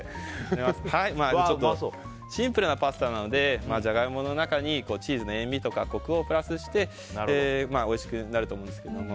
シンプルなパスタなのでジャガイモの中にチーズの塩みとかコクをプラスしておいしくなると思います。